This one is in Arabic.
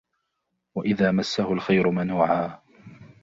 وإذا مسه الخير منوعا